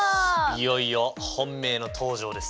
いよいよ本命の登場ですね。